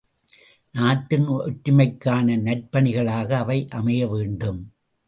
நாட்டின் ஒற்றுமைக்கான நற்பணிகளாக அவை அமைய வேண்டும்.